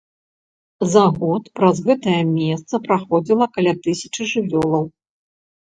За год праз гэтае месца праходзіла каля тысячы жывёлаў.